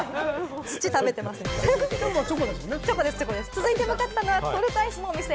続いて向かったのはトルコアイスのお店。